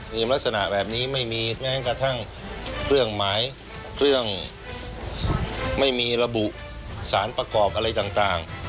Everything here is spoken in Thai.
มีลักษณะแบบนี้ไม่มีแม้กระทั่งเครื่องหมายเครื่องไม่มีระบุสารประกอบอะไรต่าง